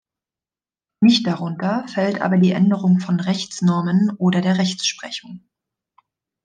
Nicht darunter fällt aber die Änderung von Rechtsnormen oder der Rechtsprechung.